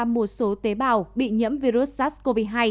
một số tế bào bị nhiễm virus sars cov hai